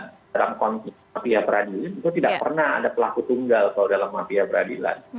dalam konteks mafia peradilan itu tidak pernah ada pelaku tunggal kalau dalam mafia peradilan